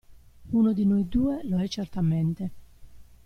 Uno di noi due lo è certamente!